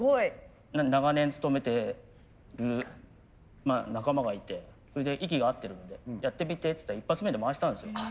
長年勤めてる仲間がいてそれで息が合ってるんでやってみてって言ったら一発目で回したんですよ。